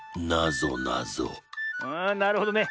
あなるほどね。